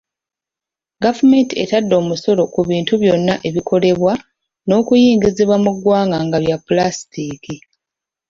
Gavumenti etadde omusolo ku bintu byonna ebikolebwa n’okuyingizibwa mu ggwanga nga bya Pulasitiiki.